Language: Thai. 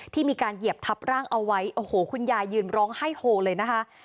มีการเหยียบทับร่างเอาไว้โอ้โหคุณยายยืนร้องไห้โฮเลยนะคะ